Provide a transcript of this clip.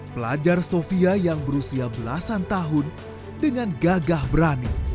pelajar sofia yang berusia belasan tahun dengan gagah berani